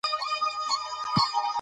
زه د خپلو احساساتو کنټرول زده کوم.